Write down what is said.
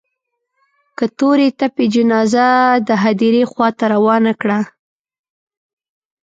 که تورې تپې جنازه د هديرې خوا ته روانه کړه.